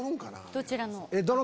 どちらの？